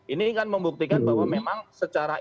ini kan membuktikan bahwa memang secara